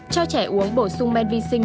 cho trẻ uống bổ sung men vi sinh